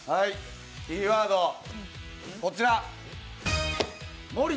キーワード、こちら。